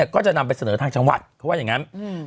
ก็จะนำไปเสนอทางจังหวัดเขาว่าอย่างนั้น